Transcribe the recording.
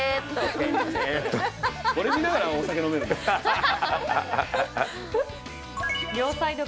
これ見ながら、お酒飲めるな。